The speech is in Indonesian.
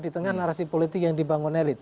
di tengah narasi politik yang dibangun elit